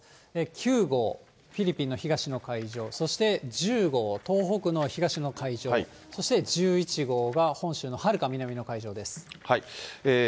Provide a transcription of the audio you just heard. ９号、フィリピンの東の海上、そして１０号、東北の東の海上、そして１１号が本州のはるか南の海上です。